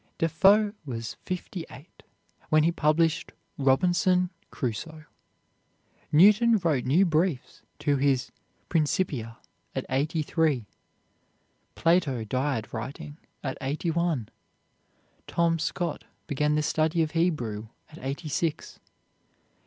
Defoe was fifty eight when he published "Robinson Crusoe." Newton wrote new briefs to his "Principia" at eighty three. Plato died writing, at eighty one. Tom Scott began the study of Hebrew at eighty six.